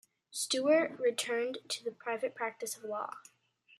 Stewart returned to the private practice of law.